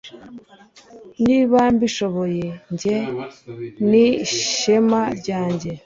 niba mbishoboye, njye ni ishema ryanjye